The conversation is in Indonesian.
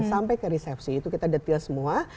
sampai ke resepsi itu kita detail semua